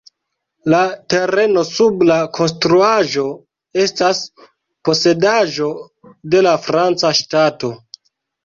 La tereno sub la konstruaĵo estas posedaĵo de la franca ŝtato.